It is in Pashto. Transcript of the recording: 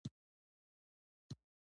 د الله مهرباني بېپایه ده.